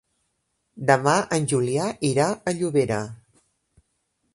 Demà en Julià irà a Llobera.